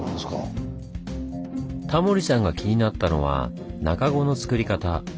タモリさんが気になったのは中子のつくり方。